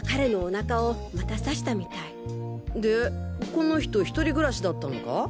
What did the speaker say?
この人独り暮らしだったのか？